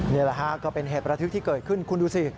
นี่แหละฮะก็เป็นเหตุประทึกที่เกิดขึ้นคุณดูสิ